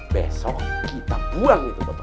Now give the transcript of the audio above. besok kita buang di botol